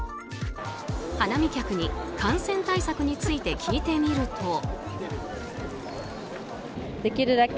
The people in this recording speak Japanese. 花見客に感染対策について聞いてみると。